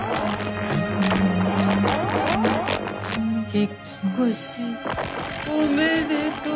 引っ越しおめでとう。